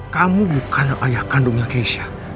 kamu bukan ayah kandungnya keisha